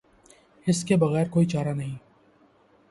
اس کے بغیر کوئی چارہ نہیں۔